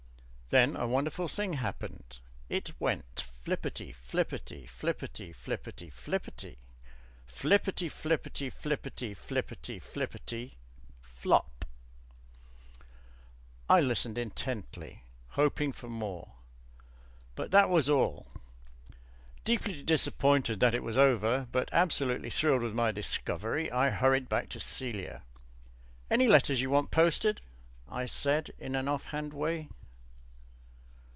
Then a wonderful thing happened. It went Flipperty flipperty flipperty flipperty flipperty flipperty flipperty flipperty flipperty flipperty FLOP. I listened intently, hoping for more ... but that was all. Deeply disappointed that it was over, but absolutely thrilled with my discovery, I hurried back to Celia. "Any letters you want posted?" I said in an off hand way.